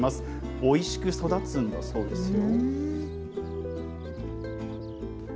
おいしく育つんだそうですよ。